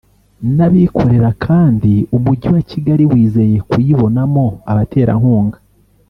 n’abikorera kandi umujyi wa Kigali wizeye kuyibonamo abaterankunga